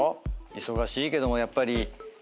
忙しいけどもやっぱり。